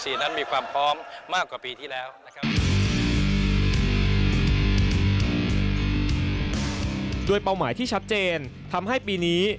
สมัยที่ชัดเจนทำให้ปีนี้